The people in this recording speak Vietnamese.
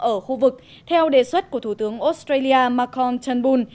ở khu vực theo đề xuất của thủ tướng australia malcolm turnbull